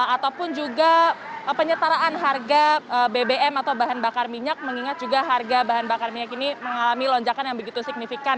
ataupun juga penyetaraan harga bbm atau bahan bakar minyak mengingat juga harga bahan bakar minyak ini mengalami lonjakan yang begitu signifikan